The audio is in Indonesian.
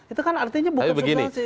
itu kan artinya bukan substansi